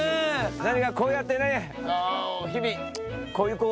何かこうやってね。